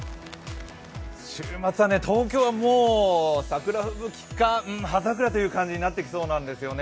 週末は東京はもう桜吹雪か葉桜という感じになってきそうなんですよね。